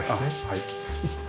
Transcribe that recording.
はい。